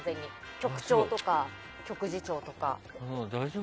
局長とか、局次長とか。